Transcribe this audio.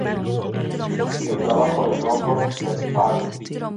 El trabajo de Norton et al.